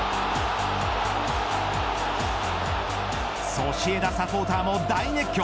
ソシエダサポーターも大熱狂。